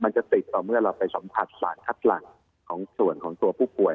จะติดต่อเมื่อเราไปสัมผัสสารคัดหลังของส่วนของตัวผู้ป่วย